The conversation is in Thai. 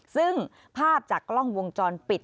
ซึ่งภาพจากกล้องวงจรปิด